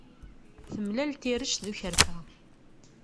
Temlal tirect d ukerfa.